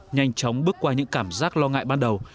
nhanh chóng bước qua những cảm giác lo ngại ban đầu